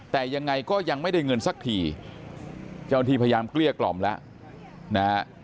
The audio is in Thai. แต่ยังไงก็ยังไม่ได้เงินสักทีเจ้าหน้าที่พยายามเกลี้ยกล่อมแล้วนะฮะ